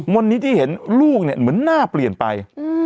วันนี้ที่เห็นลูกเนี่ยเหมือนหน้าเปลี่ยนไป